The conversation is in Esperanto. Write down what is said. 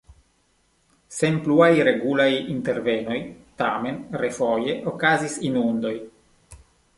Sen pluaj regulaj intervenoj tamen refoje okazis inundoj.